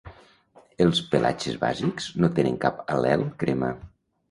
Els pelatges bàsics no tenen cap al·lel crema.